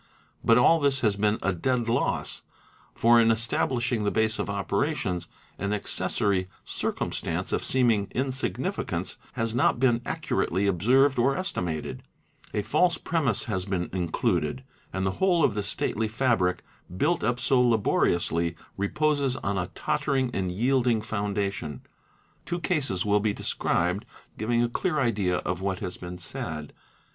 But all this has been a dead loss, for in establishing the base of operations an accessory circumstance of seeming insignificance has not been accurately observed or estimated, a false premise has been included, and the whole of the stately fabric built up so laborioush reposes on a tottering and yielding foundation. Two cases will be described giving a clear idea of what has been said.